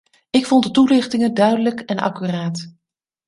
Ik vond de toelichtingen duidelijk en accuraat.